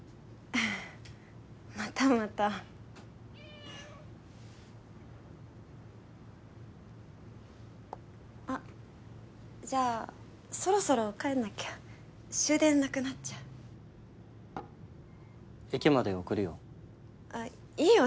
またまたあっじゃあそろそろ帰んなきゃ終電なくなっちゃう駅まで送るよいいよ